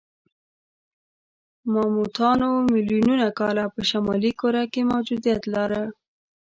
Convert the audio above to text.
ماموتانو میلیونونه کاله په شمالي کره کې موجودیت لاره.